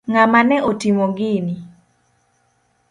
Ng'ama ne otimo gini?